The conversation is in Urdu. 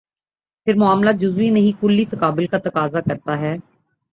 پھر معاملہ جزوی نہیں، کلی تقابل کا تقاضا کرتا ہے۔